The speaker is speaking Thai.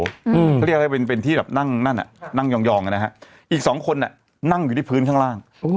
เขาเรียกว่าเป็นที่นั่งยองอีกสองคนนั่งอยู่ที่พื้นข้างล่าง